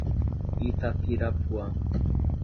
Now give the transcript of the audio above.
Itapirapuã